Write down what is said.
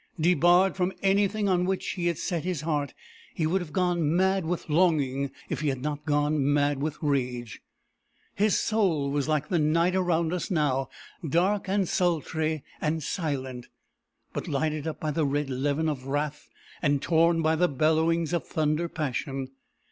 Debarred from anything on which he had set his heart, he would have gone mad with longing if he had not gone mad with rage. His soul was like the night around us now, dark, and sultry, and silent, but lighted up by the red levin of wrath and torn by the bellowings of thunder passion.